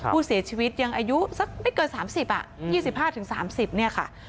ผู้เสียชีวิตยังอายุสักไม่เกิน๓๐๒๕๓๐เนี่ยค่ะ